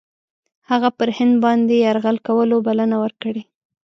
هغه پر هند باندي یرغل کولو بلنه ورکړې.